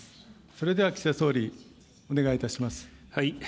それでは、岸田総理、お願いいたします。